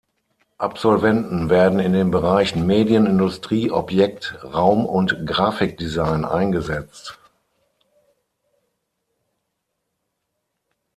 Absolventen werden in den Bereichen Medien-, Industrie-, Objekt-, Raum- und Grafikdesign eingesetzt.